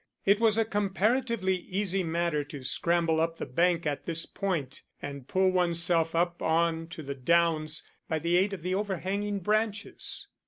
It was a comparatively easy matter to scramble up the bank at this point, and pull oneself up on to the downs by the aid of the overhanging branches.